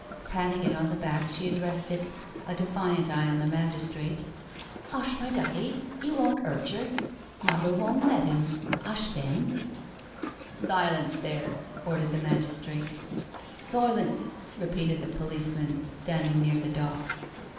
Patting it on the back, she addressed it, a defiant eye on the magistrate :" 'Ush, my duckey— 'e won't 'urt cher. Muver won let 'im— "'ush, then." " Silence there,*' ordered the magistrate. " Silence," repeated the policeman standing near the dock.